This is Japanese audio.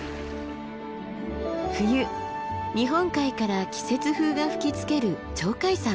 冬日本海から季節風が吹きつける鳥海山。